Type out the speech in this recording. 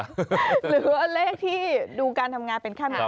หรือว่าเลขที่ดูการทำงานเป็นแค่นี้